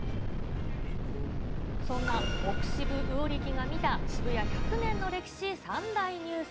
そんな奥渋魚力が見た、渋谷１００年の歴史３大ニュース。